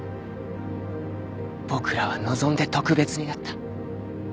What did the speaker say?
僕らは望んで特別になった。